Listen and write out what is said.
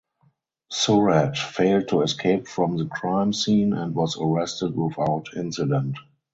Surratt failed to escape from the crime scene and was arrested without incident.